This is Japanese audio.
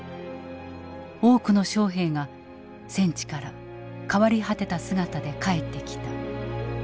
多くの将兵が戦地から変わり果てた姿で帰ってきた。